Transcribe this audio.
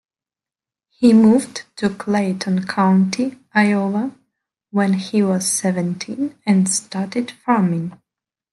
He moved to Clayton County, Iowa when he was seventeen and started farming.